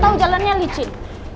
tau jalannya licin